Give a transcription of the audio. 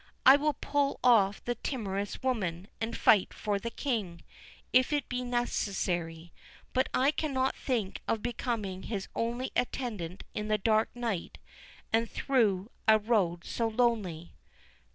I will pull off the timorous woman, and fight for the King, if it be necessary.—But—I cannot think of becoming his only attendant in the dark night, and through a road so lonely."